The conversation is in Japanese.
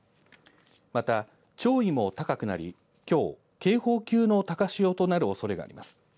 また、潮位も高くなり、きょう、警報級の高潮となるおそれがあります。